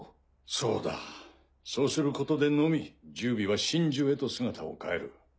そうだそうすることでのみ十尾は神樹へと姿を変える。